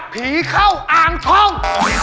ผีเข้าอ่างช่อง